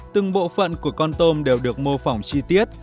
từng bộ phận của con tôm đều được mô phỏng chi tiết